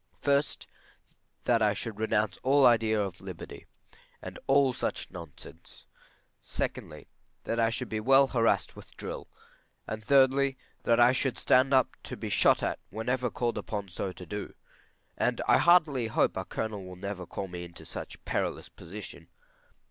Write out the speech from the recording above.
First, that I should renounce all idea of liberty, and all such nonsense. Secondly, that I should be well harassed with drill. And, thirdly, that I should stand up to be shot at whenever called upon so to do; and I heartily hope our Colonel will never call me into such a perilous position.